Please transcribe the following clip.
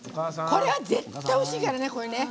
これは絶対おいしいからね。